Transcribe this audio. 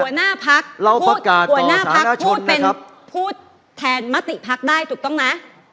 หัวหน้าพักหัวหน้าพักพูดเป็นพูดแทนมติพักได้ถูกต้องนะ